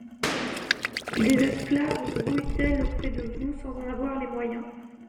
Des esclaves grouillent-elles auprès de vous sans en avoir les moyens?